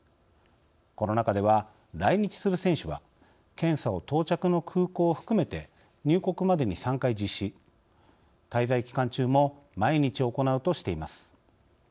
この中では、来日する選手は検査を到着の空港を含めて入国までに３回実施滞在期間中も毎日行うとしています。